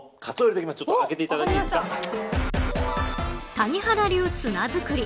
谷原流ツナづくり。